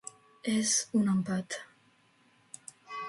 És un empat.